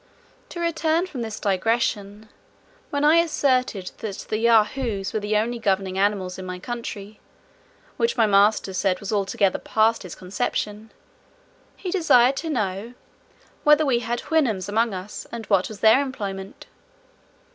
To return from this digression. When I asserted that the Yahoos were the only governing animals in my country, which my master said was altogether past his conception, he desired to know, "whether we had Houyhnhnms among us, and what was their employment?"